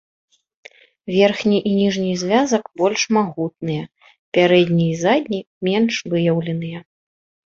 Верхні і ніжні звязак больш магутныя, пярэдні і задні менш выяўленыя.